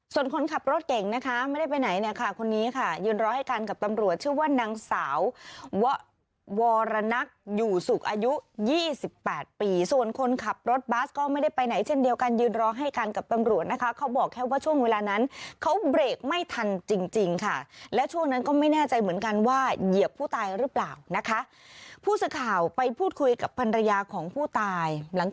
ส่วนคนขับรถเก่งนะคะไม่ได้ไปไหนเนี่ยค่ะคนนี้ค่ะยืนรอให้กันกับตำรวจชื่อว่านางสาววรนักอยู่สุขอายุ๒๘ปีส่วนคนขับรถบัสก็ไม่ได้ไปไหนเช่นเดียวกันยืนรอให้กันกับตำรวจนะคะเขาบอกแค่ว่าช่วงเวลานั้นเขาเบรกไม่ทันจริงจริงค่ะและช่วงนั้นก็ไม่แน่ใจเหมือนกันว่าเหยียบผู้ตายหรือเปล่านะคะผู้สื่อข่าวไปพูดคุยกับภรรยาของผู้ตายหลัง